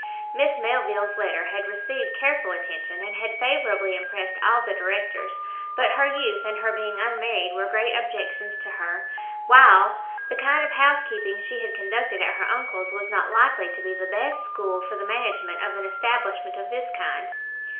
Miss Melville's letter had received careful attention, and had favourably impressed all the directors; but her youth and her being unmarried were great objections to her, while the kind of housekeeping she had conducted at her uncle's was not likely to be the best school for the management of an establishment of this kind.